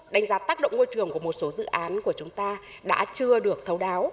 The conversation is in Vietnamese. đánh giá tác động môi trường của một số dự án của chúng ta đã chưa được thấu đáo